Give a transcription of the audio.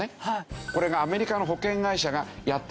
これがアメリカの保険会社がやっていた健康体操。